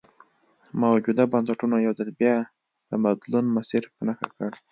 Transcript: موجوده بنسټونو یو ځل بیا د بدلون مسیر په نښه کړ.